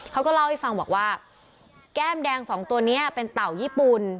เขาก็เล่าให้ฟังบอกว่าแก้มแดงสองตัวนี้เป็นเต่าญี่ปุ่น